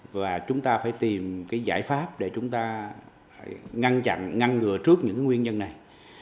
và chúng ta phải tìm cái giải pháp để chúng ta ngăn chặn ngăn ngừa trước những nguyên nhân này